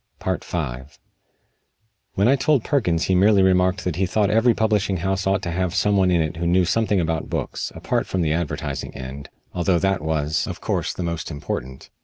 V When I told Perkins he merely remarked that he thought every publishing house ought to have some one in it who knew something about books, apart from the advertising end, although that was, of course, the most important.